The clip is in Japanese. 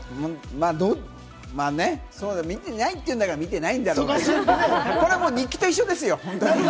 まぁね、見てないっていうんだから、見てないんだろうけど、これは日記と一緒ですよ、本当に。